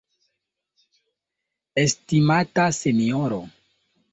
Estimata Sinjoro!